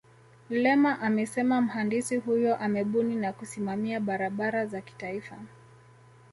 Lema amesema mhandisi huyo amebuni na kusimamia barabara za kitaifa